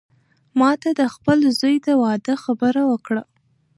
ما ته د خپل زوی د واده خبره وکړه.